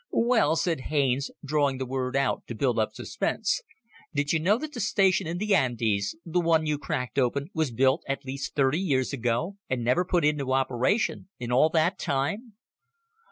"Well," said Haines, drawing the word out to build up suspense, "did you know that the station in the Andes, the one you cracked open, was built at least thirty years ago? And never put into operation in all that time?"